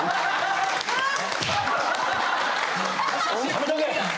やめとけ！